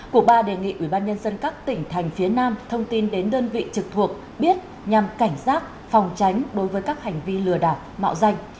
cục ba đề nghị ubnd các tỉnh thành phía nam thông tin đến đơn vị trực thuộc biết nhằm cảnh giác phòng tránh đối với các hành vi lừa đảo mạo danh